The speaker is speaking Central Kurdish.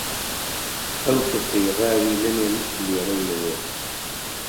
ئەو کەسەی ڕاوی نەنێن لێرە و لەوێ،